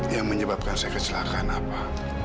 yang menyebabkan saya kecelakaan apa